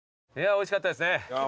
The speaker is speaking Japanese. おいしかったですね。